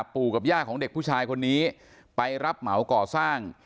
ปู่กับย่าของเด็กผู้ชายคนนี้ไปรับเหมาก่อสร้าง